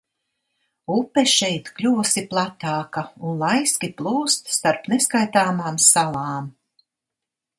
Upe šeit kļuvusi platāka un laiski plūst starp neskaitāmām salām.